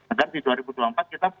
agar di dua ribu dua puluh empat kita